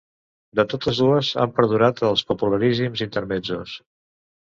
De totes dues han perdurat els popularíssims intermezzos.